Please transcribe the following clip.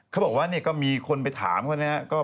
เขาบอกว่าเนี่ยก็มีคนไปถามเขานะครับ